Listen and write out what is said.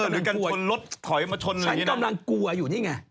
หรือการชนรถถอยมาชนอะไรงี้นะฉันกำลังกลัวอยู่นี่ไง